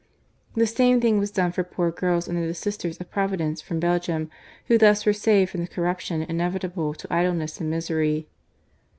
The same thing was done for poor girls under the Sisters of Providence from Belgium, who thus were saved from the corruption inevitable to idleness and misery.